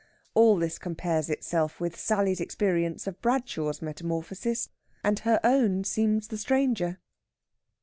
All this compares itself with Sally's experience of Bradshaw's metamorphosis, and her own seems the stranger.